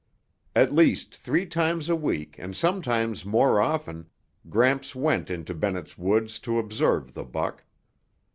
At least three times a week and sometimes more often, Gramps went into Bennett's Woods to observe the buck.